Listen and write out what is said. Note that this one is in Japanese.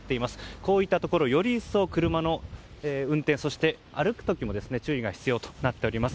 こういったところより一層、車の運転や歩く時に注意が必要となっております。